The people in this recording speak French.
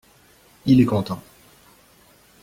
Il est content.